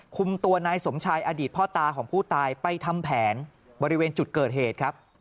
คุมตัวนายสมชายอดีตพ่อตาของผู้ตายไปทำแผนบริเวณจุดเกิดเหตุครับ